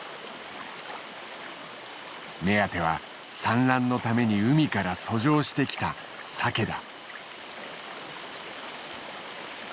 目当ては産卵のために海から遡上してきたサケだ。